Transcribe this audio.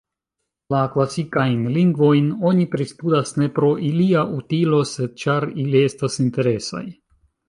La klasikajn lingvojn oni pristudas ne pro ilia utilo, sed ĉar ili estas interesaj.